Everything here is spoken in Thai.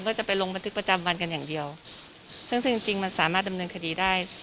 ก็จะไปลงบันทึกประจำวันกันอย่างเดียวซึ่งซึ่งจริงจริงมันสามารถดำเนินคดีได้